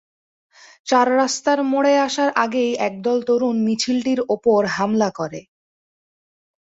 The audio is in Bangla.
চার রাস্তার মোড়ে আসার আগেই একদল তরুণ মিছিলটির ওপর হামলা করে।